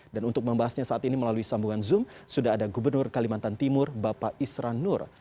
dan untuk membahasnya saat ini melalui sambungan zoom sudah ada gubernur kalimantan timur bapak isran nur